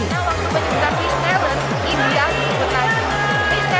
diakarina menyebutkan miss talent adalah india